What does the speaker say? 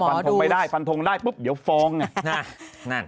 ดูตอบหมอดูไม่ได้ฟันทงได้ปุ๊บเดี๋ยวฟ้องอ่ะน่ะนั่น